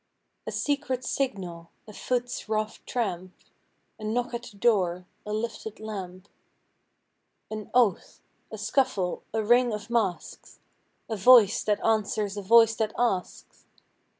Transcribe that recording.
A secret signal; a foot's rough tramp; A knock at the door; a lifted lamp. An oath; a scuffle; a ring of masks; A voice that answers a voice that asks.